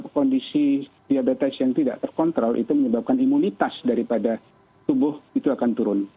kondisi diabetes yang tidak terkontrol itu menyebabkan imunitas daripada tubuh itu akan turun